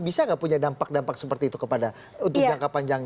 bisa nggak punya dampak dampak seperti itu kepada untuk jangka panjangnya